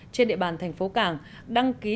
trên địa bàn thành phố cảng đăng ký